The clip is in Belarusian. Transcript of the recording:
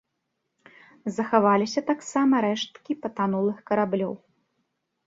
Захаваліся таксама рэшткі патанулых караблёў.